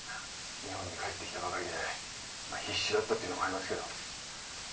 日本に帰って来たばかりでまぁ必死だったっていうのもありますけど。